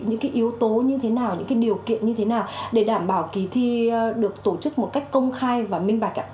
những yếu tố như thế nào những điều kiện như thế nào để đảm bảo kỳ thi được tổ chức một cách công khai và minh bạch